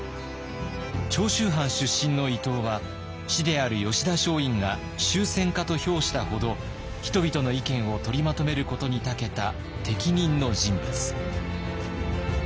長州藩出身の伊藤は師である吉田松陰が「周旋家」と評したほど人々の意見を取りまとめることにたけた適任の人物。